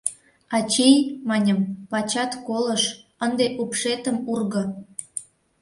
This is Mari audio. — Ачий, — маньым, — пачат колыш, ынде упшетым урго.